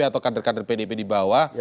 atau kader kader pdip di bawah